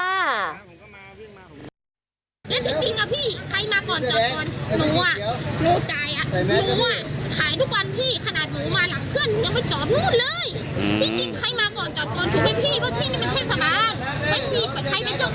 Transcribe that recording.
แล้วจริงจริงอ่ะพี่ใครมาก่อนจอดก่อนรู้อ่ะรู้จ่ายอ่ะรู้อ่ะ